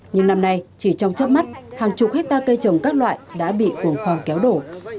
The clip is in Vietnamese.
nhưng năm nay chỉ trong chấp mắt hàng chục hectare cây trồng các loại đã bị cuồng phong kéo đổ